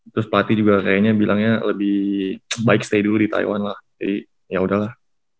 terus pelatih juga kayaknya bilangnya lebih baik stay dulu di taiwan lah jadi yaudahlah